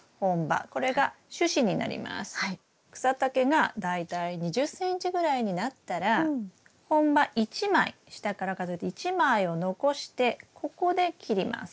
草丈が大体２０ｃｍぐらいになったら本葉１枚下から数えて１枚を残してここで切ります。